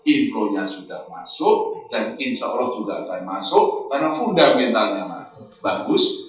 infonya sudah masuk dan insya allah juga akan masuk karena fundamentalnya bagus